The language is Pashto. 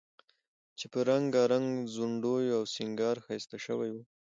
چې په رنګارنګ ځونډیو او سینګار ښایسته شوی و،